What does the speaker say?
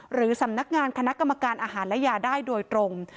หรือสำนักงานคณะกรรมการอาหารและยาได้โดยตรง